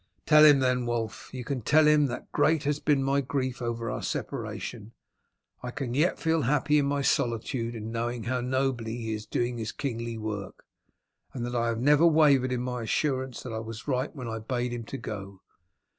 "Tell him then, Wulf. You can tell him that great as has been my grief over our separation, I can yet feel happy in my solitude in knowing how nobly he is doing his kingly work, and that I have never wavered in my assurance that I was right when I bade him go.